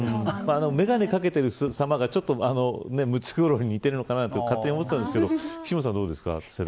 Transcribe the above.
眼鏡をかけているさまがムツゴロウに似ているのかなと勝手に思っていたんですが岸本さんはどうですか。